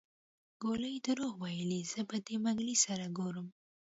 ګولي دروغ ويلي زه به د منګلي سره ګورم.